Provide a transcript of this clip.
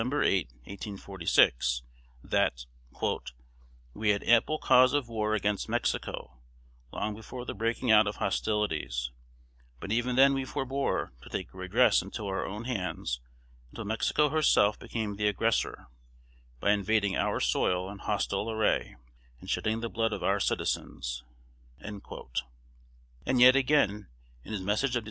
8, 1846, that "we had ample cause of war against Mexico long before the breaking out of hostilities; but even then we forbore to take redress into our own hands until Mexico herself became the aggressor, by invading our soil in hostile array, and shedding the blood of our citizens;" And yet again, in his Message of Dec.